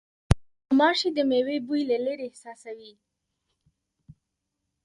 غوماشې د مېوې بوی له لېرې احساسوي.